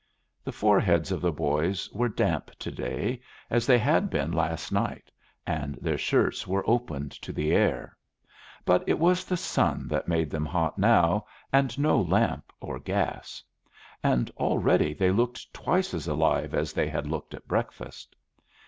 The foreheads of the boys were damp to day, as they had been last night, and their shirts were opened to the air; but it was the sun that made them hot now, and no lamp or gas; and already they looked twice as alive as they had looked at breakfast.